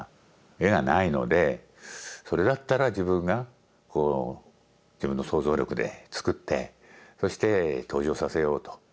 絵がないのでそれだったら自分が自分の想像力でつくってそして登場させようと。